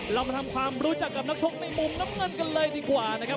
เรามาทำความรู้จักกับนักชกในมุมน้ำเงินกันเลยดีกว่านะครับ